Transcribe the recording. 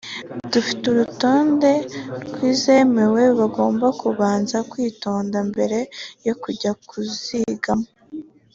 dufite urutonde rw’izemewe bagomba kubanza kwitonda mbere yo kujya kuzigamo”